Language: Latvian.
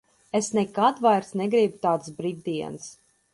Es nekad vairs negribu tādas brīvdienas.